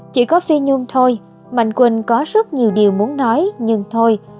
chỉ có phi nhung thôi mạnh quỳnh có rất nhiều điều muốn nói nhưng thôi